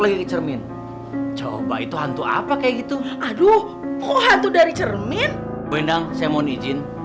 lagi ke cermin coba itu hantu apa kayak gitu aduh kok hantu dari cermin bu enang saya mohon izin